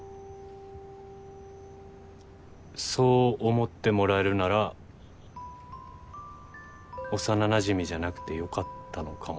そう思ってもらえるなら幼なじみじゃなくてよかったのかも。